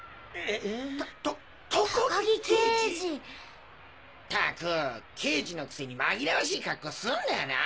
ったく刑事のくせにまぎらわしいカッコすんなよな！